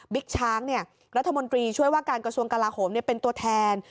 ช้างรัฐมนตรีช่วยว่าการกระทรวงกลาโหมเป็นตัวแทน